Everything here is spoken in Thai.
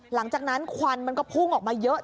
หลังจากนั้นควันมันก็พุ่งออกมาเยอะ